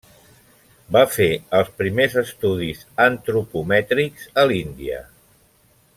Va fer els primers estudis antropomètrics a l'Índia.